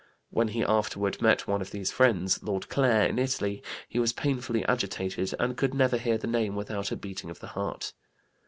When he afterward met one of these friends, Lord Clare, in Italy, he was painfully agitated; and could never hear the name without a beating of the heart.